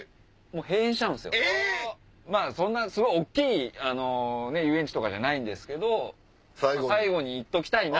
すごい大っきい遊園地とかじゃないんですけど最後に行っときたいな！